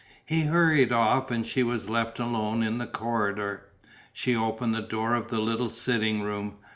He hurried off and she was left alone in the corridor. She opened the door of the little sitting room.